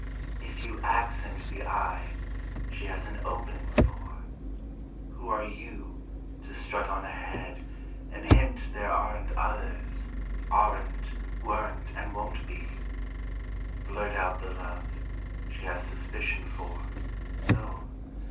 If you accent the I, she has an opening for, who are you to strut on ahead and hint there aren't others, aren*t, weren't and won't be? Blurt out the love, she has suspicion for, so?